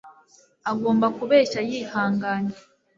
agomba kubeshya yihanganye